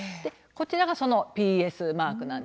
こちらがそのＰＳマークなんです。